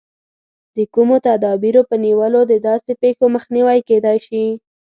د کومو تدابیرو په نیولو د داسې پېښو مخنیوی کېدای شي.